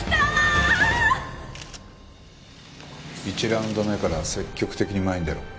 １ラウンド目から積極的に前に出ろ。